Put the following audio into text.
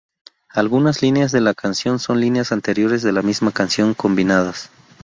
Algunas líneas de la canción son líneas anteriores de la misma canción combinadas.